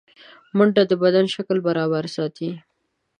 منډه د بدن شکل برابر ساتي